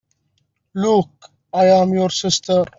Luke, I am your sister!